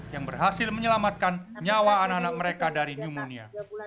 yang berhasil menyelamatkan nyawa anak anak mereka dari pneumonia